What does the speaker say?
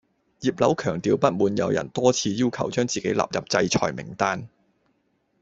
葉劉強調不滿有人多次要求將自己納入制裁名單